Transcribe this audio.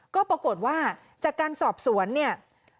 ก็ปรากฏว่าจากการสอบสวนเนี่ย